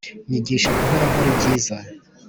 Nyigisha guhora nkora ibyiza